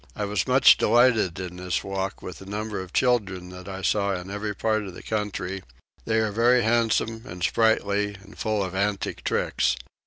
I was much delighted in this walk with the number of children that I saw in every part of the country: they are very handsome and sprightly and full of antic tricks.